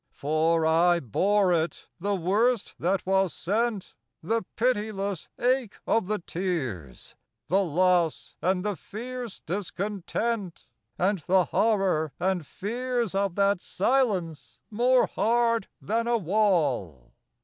" For I bore it, the worst that was sent ; The pitiless ache of the tears ; The loss and the fierce discontent, And the horror and fears Of that silence more hard than a wall